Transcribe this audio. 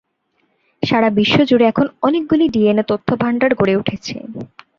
সারা বিশ্ব জুড়ে এখন অনেক গুলি ডিএনএ তথ্য ভাণ্ডার গড়ে উঠেছে।